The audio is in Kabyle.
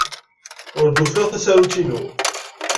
Ur d-ufiɣ tasarut-inu.